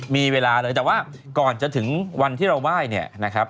มีเวลาเลยแต่ว่าก่อนจะถึงวันที่เราไหว้